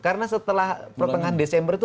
karena setelah pertengahan desember itu